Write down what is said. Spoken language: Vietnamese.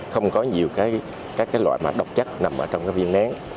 không có nhiều các loại độc chất nằm trong viên nén